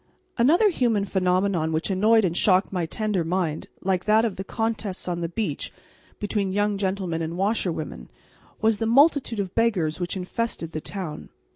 Another human phenomenon which annoyed and shocked my tender mind, like that of the contests on the beach between young gentlemen and washerwomen, was the multitude of beggars which infested the town.